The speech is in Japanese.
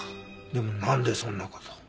でもなんでそんな事を。